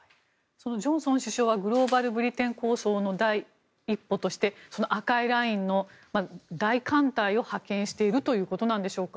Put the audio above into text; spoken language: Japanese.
ジョンソン首相はグローバル・ブリテン構想の第一歩として、赤いラインに大艦隊を派遣しているということなんでしょうか。